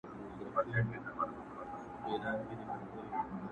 په سبب د لېونتوب دي پوه سوم یاره